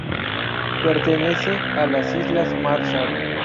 Pertenece a las Islas Marshall.